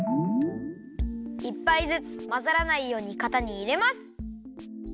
１ぱいずつまざらないようにかたにいれます。